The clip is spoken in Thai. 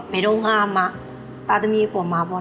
ไม่ต้องอ้ามนะสำหรับเรา